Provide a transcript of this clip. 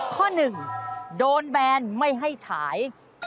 ข้อ๑โดนแบนไม่ให้ฉาย